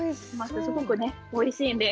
すごくおいしいんです。